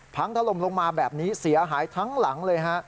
พังถล่มลงมาแบบนี้เสียหายทั้งหลังเลยฮะ